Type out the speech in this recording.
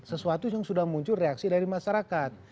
sesuatu yang sudah muncul reaksi dari masyarakat